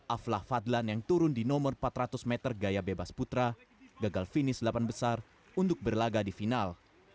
aflah fadlan yang turun di nomor empat ratus meter gaya bebas putra gagal finish delapan besar untuk berlaga di final